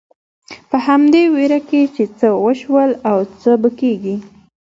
په همدې وېره کې چې څه وشول او څه به کېږي.